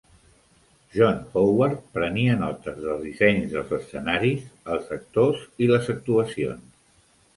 John Howard prenia notes dels dissenys dels escenaris, els actors i les actuacions.